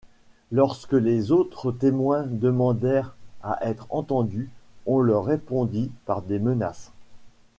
Lorsque les autres témoins demandèrent à être entendus, on leur répondit par des menaces.